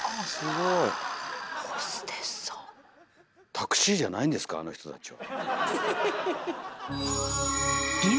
タクシーじゃないんですかあの人たちは。